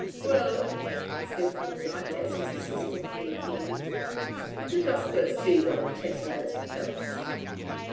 "Well," said Thorndyke, as his assistant reappeared, "let us first see what the test has to tell us."